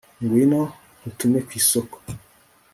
ngwino nkutume kwisoko